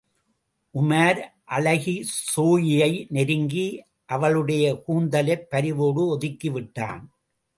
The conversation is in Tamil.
உமார், அழகி ஸோயியை நெருங்கி அவளுடைய கூந்தலைப் பரிவோடு ஒதுக்கிவிட்டான்.